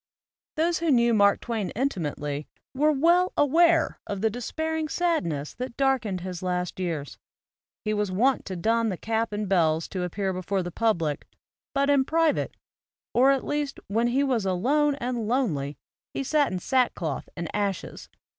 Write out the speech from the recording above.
Those who knew Mark Twain intimately were well aware of the despairing sadness that dark ened his last years. He was wont to don the cap and bells to appear before the public; but in private, or at least when he was alone and lonely he sat in sackcloth and ashes.